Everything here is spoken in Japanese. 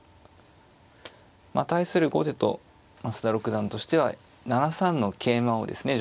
対する後手と増田六段としては７三の桂馬をですね